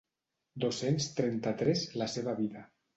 Dos-cents trenta-tres la seva vida.